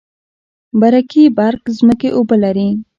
برکي برک ځمکې اوبه لري؟